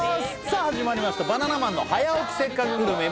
さあ始まりました「バナナマンの早起きせっかくグルメ！！」